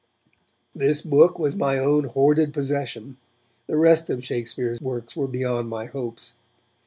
This book was my own hoarded possession; the rest of Shakespeare's works were beyond my hopes.